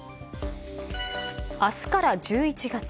明日から１１月。